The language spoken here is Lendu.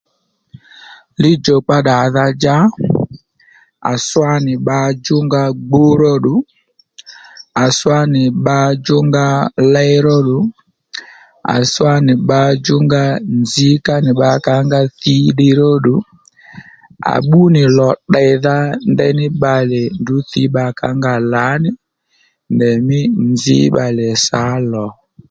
Li-djùkpa ddàdha-dja à swá nì bba djú nga gbu róddù, à swá nì bba djúnga ley róddù, à swá nì bba djú nga nzǐ ka nì bba kaónga thǐ ddiy róddù, à bbú nì lò tdèydha ndení bbalè ndrǔ tsǐ bba kǎ nga nì lǎní ndèymí nzǐ bbalè sǎ lò